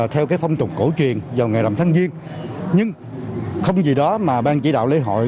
theo phong trục cổ truyền vào ngày làm thanh viên nhưng không vì đó mà ban chỉ đạo lễ hội